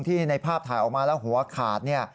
ในภาพถ่ายออกมาแล้วหัวขาด